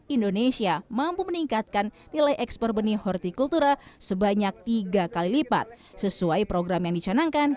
indonesia mampu meningkatkan nilai ekspor benih hortikultura sebanyak tiga kali lipat sesuai program yang dicanangkan